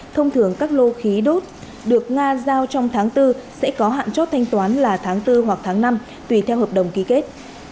thông thường các lô khí đốt được nga giao trong tháng bốn sẽ có hạn chốt thanh toán là tháng bốn hoặc tháng năm tùy theo hợp đồng ký kết